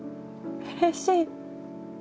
うれしい！